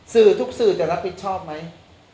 สื่อทุกสื่อจะรับผิดชอบไหม